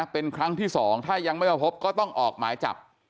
เป็นครั้งที่๒ถ้ายังไม่มาพบก็ต้องออกหมายจับ